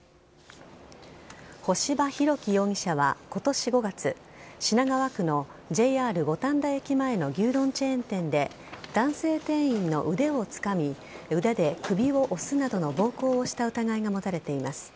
干場広樹容疑者は今年５月品川区のＪＲ五反田駅前の牛丼チェーン店で男性店員の腕をつかみ腕で首を押すなどの暴行をした疑いが持たれています。